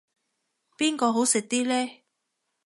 邊個好食啲呢